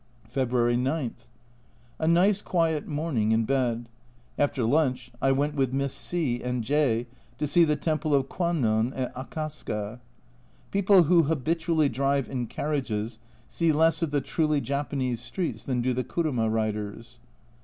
February 9. A nice quiet morning in bed ; after lunch I went with Miss C and J to see the temple of Kwannon at Akasaka. People who habitually drive in carriages see less of the truly Japanese streets than do the kuruma riders.